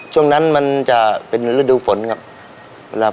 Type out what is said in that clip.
ช่วงนั้นมันจะเป็นฤดูฝนครับ